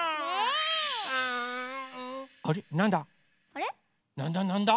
あれっなんだ？